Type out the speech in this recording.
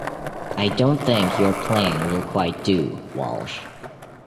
I don't think your plan will quite do, Walsh.